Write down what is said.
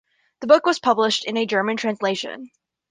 The book was published in a German translation.